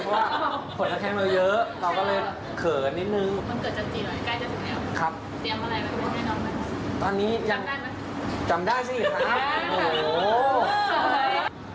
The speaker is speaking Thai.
เพราะว่ากดหน้าแข้งเราเยอะ